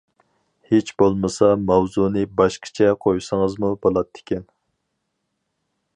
ھېچ بولمىسا ماۋزۇنى باشقىچە قويسىڭىزمۇ بولاتتىكەن.